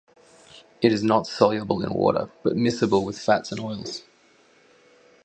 It is not soluble in water, but miscible with fats and oils.